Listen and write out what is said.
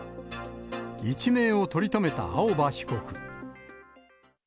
一命を取り留めた青葉被告。